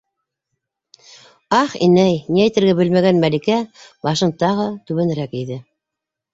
Ах, инәй... - ни әйтергә белмәгән Мәликә башын тағы түбәнерәк эйҙе.